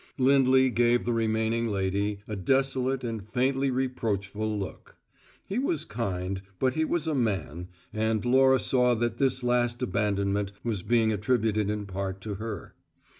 Lindley gave the remaining lady a desolate and faintly reproachful look. He was kind, but he was a man; and Laura saw that this last abandonment was being attributed in part to her.